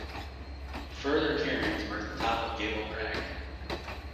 Further cairns mark the top of Gable Crag.